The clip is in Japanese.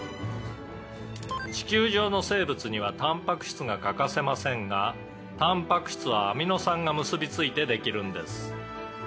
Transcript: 「地球上の生物にはたんぱく質が欠かせませんがたんぱく質はアミノ酸が結びついてできるんです」